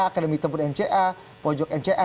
academy tempun mca pojok mca